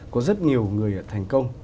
có rất nhiều người thành công